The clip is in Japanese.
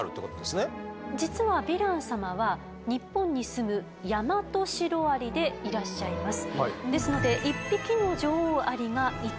実はヴィラン様は日本に住むヤマトシロアリでいらっしゃいます。